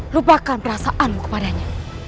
lupakan perasaanmu kepadanya